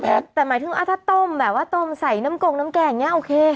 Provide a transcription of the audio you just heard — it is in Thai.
แต่หมายถึงถ้าต้มแบบว่าต้มใส่น้ำกงน้ำแกงอย่างนี้โอเค